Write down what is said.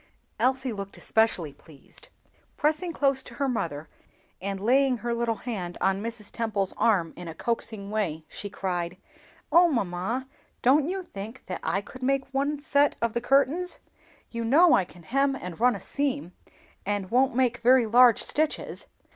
Elsie looked especially pleased. Pressing close to her mother, and laying her little hand on Mrs. Temple's arm in a coaxing way, she cried, "Oh, mamma, don't you think that I could make one set of the curtains? You know that I can hem and run a seam, and don't make very large stitches.